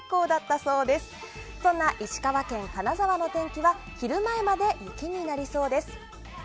そんな石川県金沢の天気は昼前まで雪になりそうです。